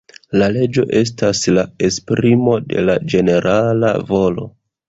La leĝo estas la esprimo de la ĝenerala volo.